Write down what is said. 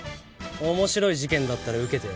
面白い事件だったら受けてやる。